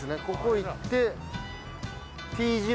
ここ行って。